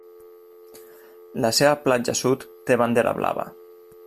La seva platja sud té Bandera Blava.